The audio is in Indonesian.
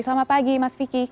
selamat pagi mas vicky